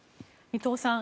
伊藤さん